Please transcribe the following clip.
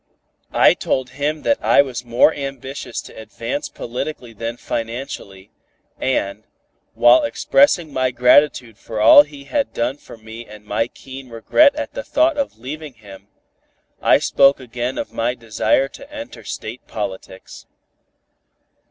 I told him that I was more ambitious to advance politically than financially, and, while expressing my gratitude for all he had done for me and my keen regret at the thought of leaving him, I spoke again of my desire to enter State politics.